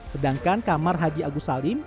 sedangkan kamar haji agus salim